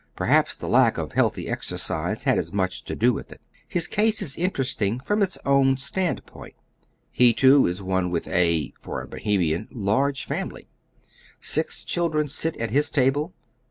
Perhaps the lack of healthy exercise had as much to do with it. His case is interesting from its THE BOHEJlIANS, 145 own stand point. He too is one with a — for a Bohemian — large family. Six cliildren sit at his table.